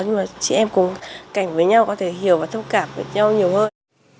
nhưng mà chị em cùng cảnh với nhau có thể hiểu và thông cảm với nhau nhiều hơn